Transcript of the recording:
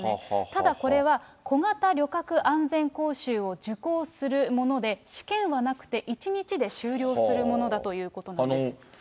ただ、これは小型旅客安全講習を受講するもので、試験はなくて、１日で修了するものだということです。